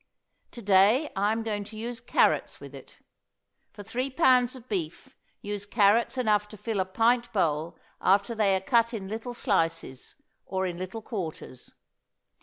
To day I am going to use carrots with it. For three pounds of beef use carrots enough to fill a pint bowl after they are cut in little slices, or in little quarters.